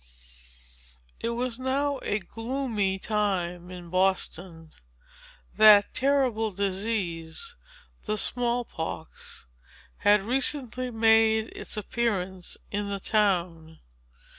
It was now a gloomy time in Boston. That terrible disease, the small pox, had recently made its appearance in the town.